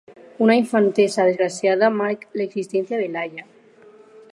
Una infantesa desgraciada marca l'existència de Laia.